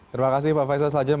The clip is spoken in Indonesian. terima kasih pak faisal selanjutnya